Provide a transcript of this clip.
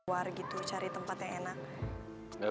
dia cuma mau harta papi aja